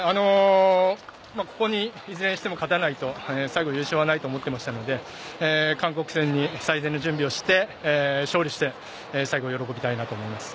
ここに、いずれにしても勝たないと最後、優勝はないと思っていましたので韓国戦に最善の準備をして勝利して最後喜びたいなと思います。